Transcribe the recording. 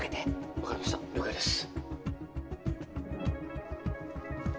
わかりました了解です。